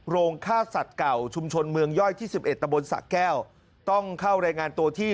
โรงฆ่าสัตว์เก่าชุมชนเมืองย่อยที่๑๑ตะบนสะแก้วต้องเข้ารายงานตัวที่